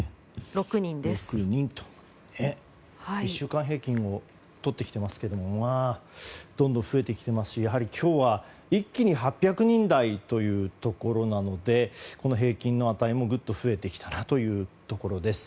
１週間平均をとってきていますがどんどん増えてきていますし今日は一気に８００人台というところなのでこの平均の値もぐっと増えてきたなというところです。